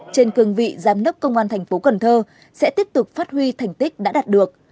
trên cương vị giám đốc công an thành phố cần thơ sẽ tiếp tục phát huy thành tích đã đạt được